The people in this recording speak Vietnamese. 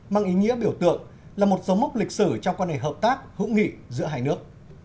mang ý nghĩa biểu tượng là một dấu mốc lịch sử trong quan hệ hợp tác hữu nghị giữa hai nước